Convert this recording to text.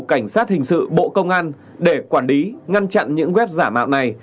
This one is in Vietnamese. cảnh sát hình sự bộ công an để quản lý ngăn chặn những web giả mạo này